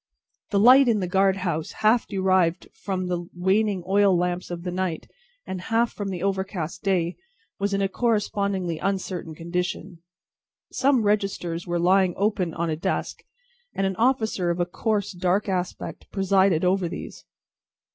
The light in the guard house, half derived from the waning oil lamps of the night, and half from the overcast day, was in a correspondingly uncertain condition. Some registers were lying open on a desk, and an officer of a coarse, dark aspect, presided over these.